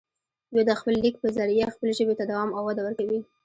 دوي دَ خپل ليک پۀ زريعه خپلې ژبې ته دوام او وده ورکوي